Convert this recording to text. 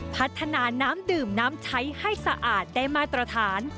พัฒนาน้ำดื่มน้ำใช้ให้สะอาดได้มาตรฐาน